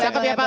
cakap ya pak